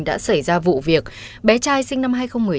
đã xảy ra vụ việc bé trai sinh năm hai nghìn một mươi tám